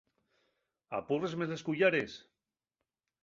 ¿Apúrresme les cuyares?